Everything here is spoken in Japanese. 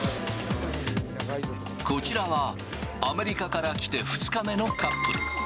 こちらはアメリカから来て２日目のカップル。